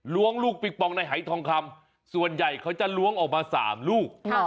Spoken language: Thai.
ลูกปิงปองในหายทองคำส่วนใหญ่เขาจะล้วงออกมา๓ลูก